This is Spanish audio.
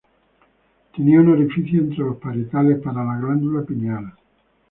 Tenía un orificio entre los parietales para la glándula pineal.